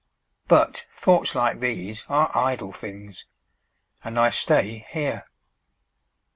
But thoughts like these are idle things, And I stay here.